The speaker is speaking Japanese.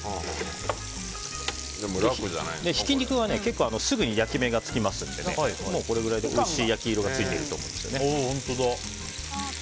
ひき肉は、結構すぐに焼き目が付きますのでこれぐらいでおいしい焼き色がついていると思うんです。